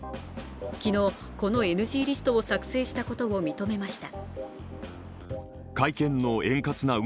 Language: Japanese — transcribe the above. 昨日、このＮＧリストを作成したことを認めました。